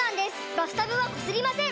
バスタブはこすりません！